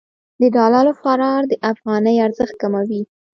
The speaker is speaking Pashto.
د ډالر فرار د افغانۍ ارزښت کموي.